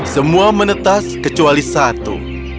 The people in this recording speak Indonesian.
semua menetas kecuali satu